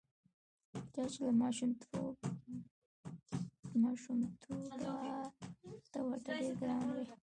چا چې له ماشومتوبه ته ورته ډېر ګران وې.